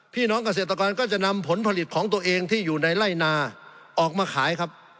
พี่น้องเกษตรกรก็จะนำผลผลิตของตัวเองที่อยู่ในไล่นาออกมาขายครับ